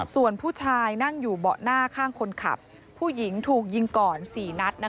ส่วนผู้ชายนั่งอยู่เบาะหน้าข้างคนขับผู้หญิงถูกยิงก่อน๔นัด